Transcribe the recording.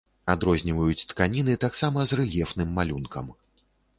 Адрозніваюць тканіны таксама з рэльефным малюнкам.